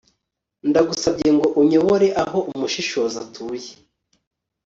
ndagusabye ngo unyobore aho umushishozi atuye